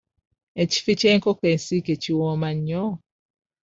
Ekifi ky'enkoko ensiike kiwooma nnyo.